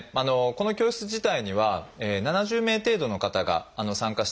この教室自体には７０名程度の方が参加していただきました。